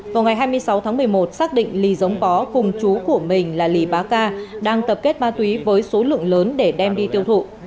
vào ngày hai mươi sáu tháng một mươi một xác định lý giống bó cùng chú của mình là lý bá ca đang tập kết ma túy với số lượng lớn để đem đi tiêu thụ